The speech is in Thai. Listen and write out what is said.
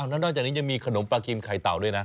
แล้วนอกจากนี้ยังมีขนมปลาครีมไข่เต่าด้วยนะ